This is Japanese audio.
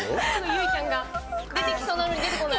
結実ちゃんが出てきそうなのに出てこない。